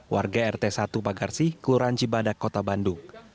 warga rt satu pagarsi kelurahan cibadak kota bandung